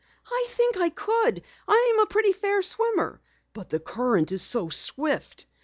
"I think I could. I'm a pretty fair swimmer." "But the current is so swift."